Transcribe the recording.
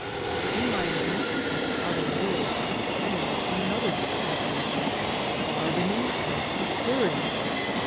In my iadventures with the outer world I made an . other discovery. Bargaining was discouraged.